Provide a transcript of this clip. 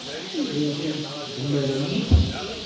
Anda ay ten-tdemmrem?